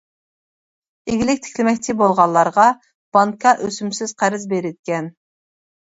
ئىگىلىك تىكلىمەكچى بولغانلارغا بانكا ئۆسۈمسىز قەرز بېرىدىكەن.